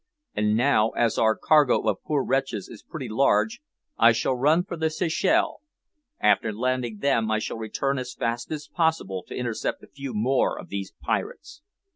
And now, as our cargo of poor wretches is pretty large, I shall run for the Seychelles. After landing them I shall return as fast as possible, to intercept a few more of these pirates."